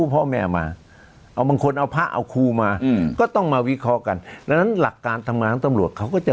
พ่อแม่มาเอาบางคนเอาพระเอาครูมาก็ต้องมาวิเคราะห์กันดังนั้นหลักการทำงานของตำรวจเขาก็จะ